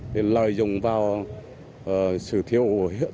thì lợi dụng vào sự thiêu hữu